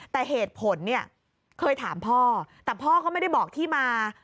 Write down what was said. แต่เหตุผลเนี่ยเคยถามพ่อแต่พ่อก็ไม่ได้บอกที่มา